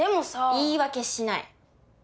言い訳しない。